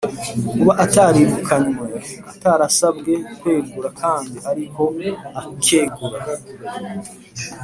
kuba atarirukanywe, atarasabwe kwegura kandi ariko akegura,